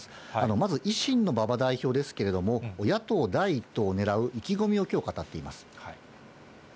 まず維新の馬場代表ですけれども、野党第１党を狙う意気込みをきょう語っています。